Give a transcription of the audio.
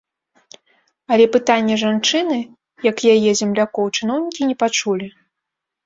Але пытанне жанчыны, як і яе землякоў, чыноўнікі не пачулі.